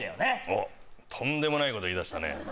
おっとんでもないこと言いだしたね